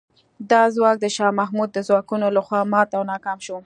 دا ځواک د شاه محمود د ځواکونو له خوا مات او ناکام شو.